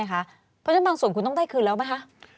เพราะฉะนั้นบางส่วนคุณต้องได้คืนแล้วไหมคะ